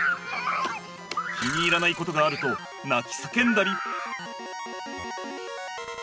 気に入らないことがあると泣きさけんだり。